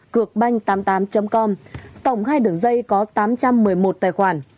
cượcbanh tám mươi tám com tổng hai đường dây có tám trăm một mươi một tài khoản